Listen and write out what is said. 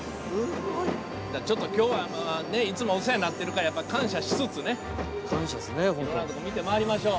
ちょっと今日はいつもお世話になってるからやっぱ感謝しつつねいろんなとこ見て回りましょう。